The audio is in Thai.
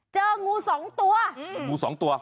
เจองูสองตัวเป็นงูสองตัว